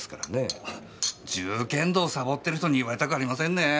柔剣道さぼってる人に言われたくありませんねぇ。